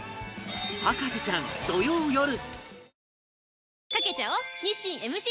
『博士ちゃん』土曜よる